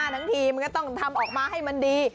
มันก็ต้องทำออกมาให้มันดี